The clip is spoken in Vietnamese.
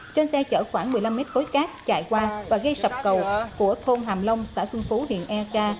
trên xe chở khoảng một mươi năm mét khối cát chạy qua và gây sập cầu của thôn hàng long xã xuân phú huyện e k